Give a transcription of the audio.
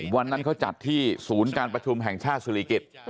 วันนั้นเขาจัดที่ศูนย์การประชุมแห่งชาติศิริกิจ